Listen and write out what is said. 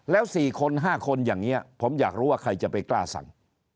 แล้ว๔คน๕คนอย่างนี้ผมอยากรู้ว่าใครจะไปกล้าสั่ง